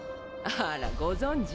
あらご存じ？